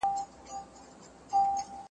دوی به م زمونږ رنګې غلي غلي ژړیدل؟